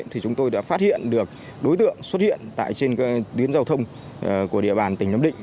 thì chúng tôi đã phát hiện được đối tượng xuất hiện tại trên tuyến giao thông của địa bàn tỉnh nam định